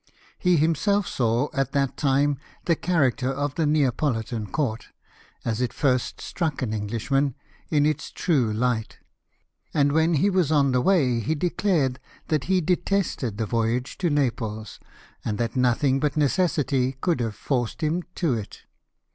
He himself saw at that time the character of the Neapolitan Court, as it first struck an Englishman, in its true light; and when he was on the way he declared that he detested the voyage to Naples, and that nothing but necessity could have forced him to it.